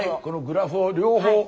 このグラフを両方。